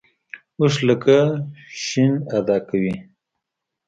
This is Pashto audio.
او ښ لکه ش ادا کوي.